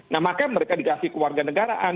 nah maka mereka dikasih ke warga negaraan